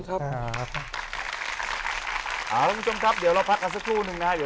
คุณผู้ชมครับเดี๋ยวเราพักกันสักครู่หนึ่งนะฮะ